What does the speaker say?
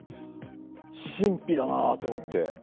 神秘だなと思って。